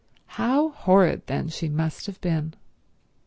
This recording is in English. How horrid, then, she must have been.